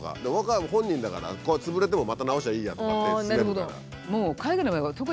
で僕は本人だから潰れてもまた直しゃいいやとかって。